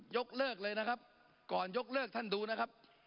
ยกเลิกเลยนะครับก่อนยกเลิกท่านดูนะครับ